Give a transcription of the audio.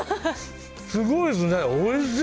すごいですね、おいしい！